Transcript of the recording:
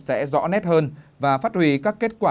sẽ rõ nét hơn và phát huy các kết quả